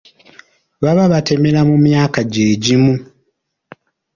Baba batemera mu myaka gye gimu.